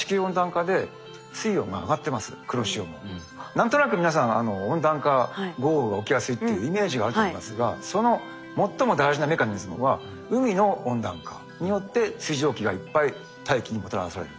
何となく皆さん温暖化豪雨が起きやすいっていうイメージがあると思いますがその最も大事なメカニズムは海の温暖化によって水蒸気がいっぱい大気にもたらされる。